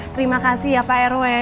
terima kasih ya pak rw